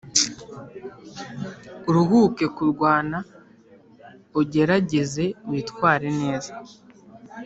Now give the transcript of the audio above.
Uruhuke kurwana ugerageze witware neza